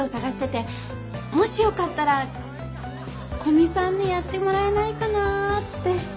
もしよかったら古見さんにやってもらえないかなって。